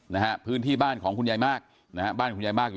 นะฮะพื้นที่บ้านของคุณยายมากนะฮะบ้านคุณยายมากอยู่ที่บนบ้านหลุม